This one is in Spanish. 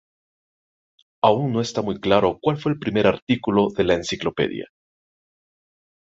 Aún no está muy claro cuál fue el primer artículo de la enciclopedia.